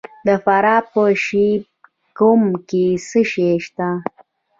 د فراه په شیب کوه کې څه شی شته؟